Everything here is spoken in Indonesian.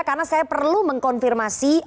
karena saya perlu mengkonfirmasi